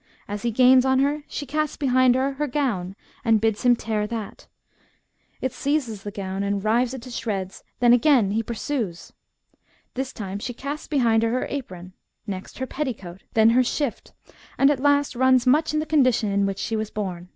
As he gains on her, she casts behind her her gown, and bids him tear that. He seizes the gown and rives it to shreds, then again he pursues. This time she casts behind her her apron, next her petticoat, then her shift, and at last runs much in the condition in which she was bom.'